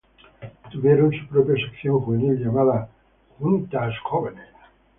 Tuvieron su propia sección juvenil, llamadas "Juntas Jóvenes".